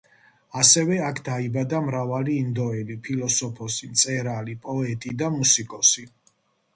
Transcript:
ასევე, აქ დაიბადა მრავალი ინდოელი ფილოსოფოსი, მწერალი, პოეტი და მუსიკოსი.